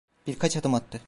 Birkaç adım attı.